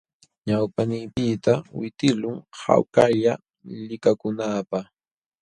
Ñawpaqniiypiqta witiqluy hawkalla likakunaapaq.